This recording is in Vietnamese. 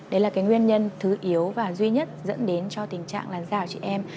đấy là nguyên nhân thứ yếu và duy nhất dẫn đến tình trạng làn dao chị em